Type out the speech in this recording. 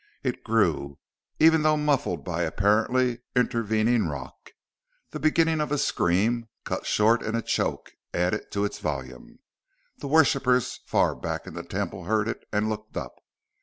It grew, even though muffled by apparently intervening rock. The beginning of a scream, cut short into a choke, added to its volume. The worshippers far back in the Temple heard it, and looked up.